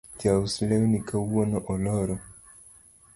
Jaus lewni kawuono oloro